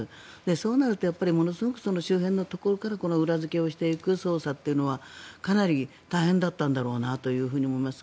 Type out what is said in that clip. そうなると、ものすごい周辺のところからこの裏付けをしていく捜査というのはかなり大変だったんだろうなと思います。